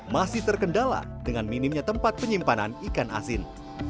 masih terkendala dengan minimnya tempat penyimpanan ikan asin